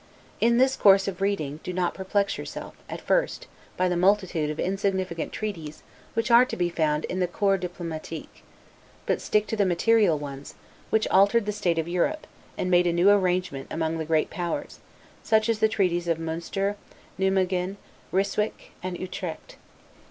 In this course of reading, do not perplex yourself, at first, by the multitude of insignificant treaties which are to be found in the Corps Diplomatique; but stick to the material ones, which altered the state of Europe, and made a new arrangement among the great powers; such as the treaties of Munster, Nimeguen, Ryswick, and Utrecht.